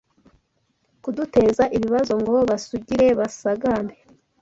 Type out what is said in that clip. kuduteza ibibazo ngo basugire basagambe